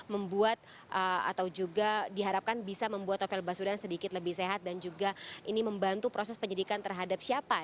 membuat atau juga diharapkan bisa membuat novel baswedan sedikit lebih sehat dan juga ini membantu proses penyidikan terhadap siapa